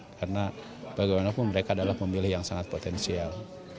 karena bagaimanapun mereka adalah pemilih yang sangat potensial